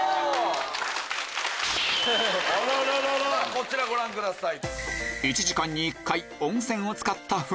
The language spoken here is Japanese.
こちらご覧ください。